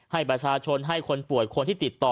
ให้ประชาชนให้คนป่วยคนที่ติดต่อ